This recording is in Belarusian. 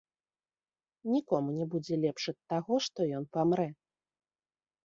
Нікому не будзе лепш ад таго, што ён памрэ.